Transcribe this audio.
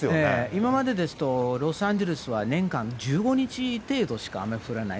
今までですと、ロサンゼルスは年間１５日程度しか雨降らない。